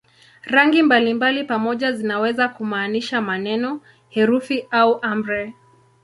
Rangi mbalimbali pamoja zinaweza kumaanisha maneno, herufi au amri.